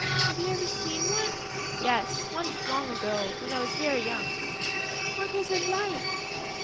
"Have you ever seen one?" "Yes, once, long ago, when I was very young...." "What was it like?"